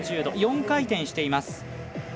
１４４０度、４回転しています。